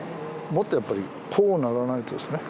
もっとやっぱりこうならないとですね